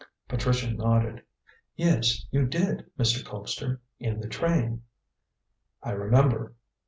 Patricia nodded. "Yes, you did, Mr. Colpster. In the train." "I remember.